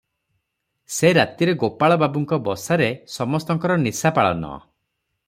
ସେ ରାତିରେ ଗୋପାଳ ବାବୁଙ୍କ ବସାରେ ସମସ୍ତଙ୍କର ନିଶାପାଳନ ।